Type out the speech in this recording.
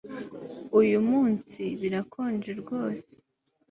Uyu munsi birakonje rwose